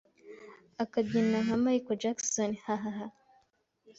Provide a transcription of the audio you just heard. akabyina nka Michael Jackson haha